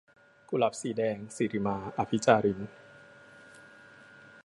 กุหลาบสีแดง - สิริมา อภิจาริน